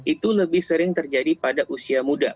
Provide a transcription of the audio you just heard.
itu lebih sering terjadi pada usia muda